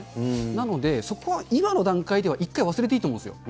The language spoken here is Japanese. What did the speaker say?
なので、そこは今の段階では一回忘れていいと思うんですよ。